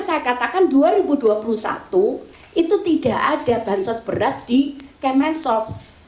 saya katakan dua ribu dua puluh satu itu tidak ada bansos beras di kemensos